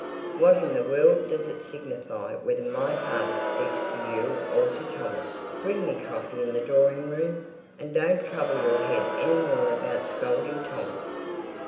"What in the world does it signify whether my father speaks to you or to Thomas? Bring me coffee in the drawing room, and don't trouble your head any more about scolding Thomas."